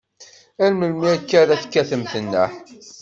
Ar melmi akka ara tekkatemt nneḥ?